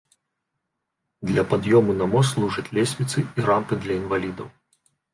Для пад'ёму на мост служаць лесвіцы і рампы для інвалідаў.